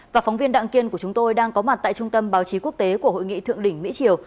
và phóng viên đặng kiên của chúng tôi đang có mặt tại trung tâm báo chí quốc tế của hội nghị thượng đỉnh mỹ triều